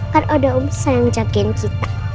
kan udah umsal yang jagain kita